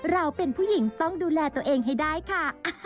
เราเป็นผู้หญิงต้องดูแลตัวเองให้ได้ค่ะ